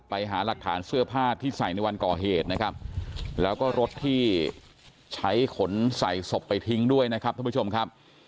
ไปหาหลักฐานเสื้อผ้าที่ใส่ในวันก่อเหตุนะครับแล้วก็รถที่ใช้ขนใส่ศพไปทิ้งด้วยนะครับท่านผู้ชมครับ